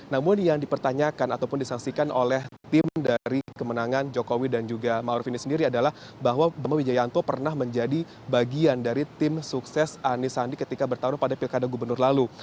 namun yang dipertanyakan ataupun disangsikan oleh tim dari kemenangan jokowi dan juga ma'ruf ini sendiri adalah bahwa bimbi jayanto pernah menjadi bagian dari tim sukses anis andi ketika bertarung pada pilkada gubernur lalu